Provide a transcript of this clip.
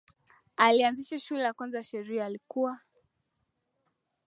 alianzisha shule ya kwanza ya sheria Alikuwa